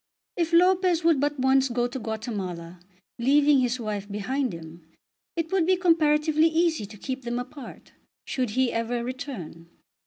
If Lopez would but once go to Guatemala, leaving his wife behind him, it would be comparatively easy to keep them apart should he ever return.